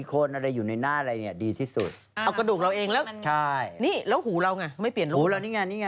กระดูกหายไปแต่กลายอย่างอื่นยังอยู่นะ